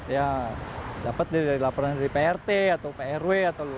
ya dapat dari laporan dari prt atau prw atau lurah ya paling kita sampai itu